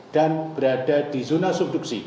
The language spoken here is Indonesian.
dan berada di zona subduksi